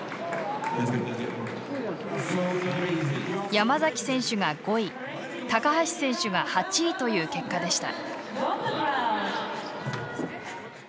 山選手が５位高橋選手が８位という結果でした。